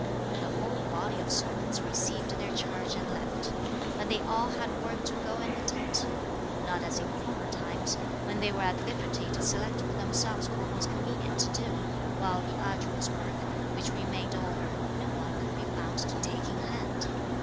The whole body of servants received their charge and left; but they all had work to go and attend to; not as in former times, when they were at liberty to select for themselves what was convenient to do, while the arduous work, which remained over, no one could be found to take in hand.